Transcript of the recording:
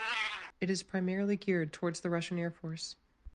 It is primarily geared towards the Russian Air Force.